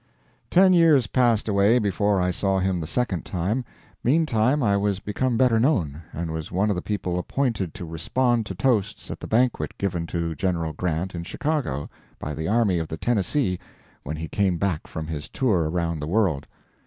Ten years passed away before I saw him the second time. Meantime I was become better known; and was one of the people appointed to respond to toasts at the banquet given to General Grant in Chicago by the Army of the Tennessee when he came back from his tour around the world.